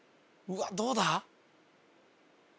うわっどうだ？